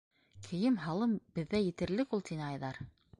- Кейем-Һалым беҙҙә етерлек ул, - тине Айҙар.